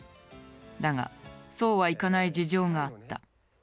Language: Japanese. だがそうはいかない事情があった。